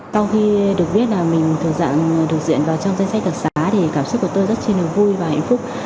sau khi được viết là mình thực dạng được diện vào trong danh sách đặc xá thì cảm xúc của tôi rất chiên hồn vui và hạnh phúc